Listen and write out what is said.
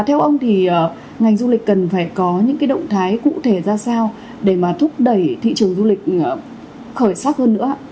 theo ông thì ngành du lịch cần phải có những động thái cụ thể ra sao để mà thúc đẩy thị trường du lịch khởi sắc hơn nữa